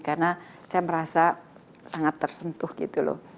karena saya merasa sangat tersentuh gitu loh